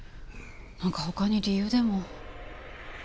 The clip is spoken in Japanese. なんか他に理由でも。